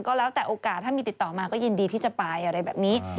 ก็แล้วแต่โอกาสถ้ามีติดต่อมาก็ยินดีที่จะไปอะไรแบบนี้